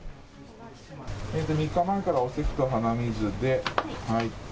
３日前からおせきと鼻水で。